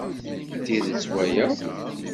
D tidet waya.